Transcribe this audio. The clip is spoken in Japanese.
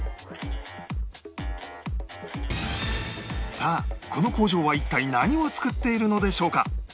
さあこの工場は一体何を作っているのでしょうか？